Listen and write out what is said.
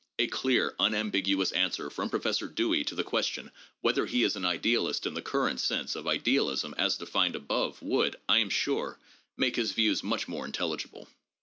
A clear unambiguous answer from Professor Dewey to the question whether he is an idealist in the current sense of idealism as denned above would, I am sure, make his view much more intelligible.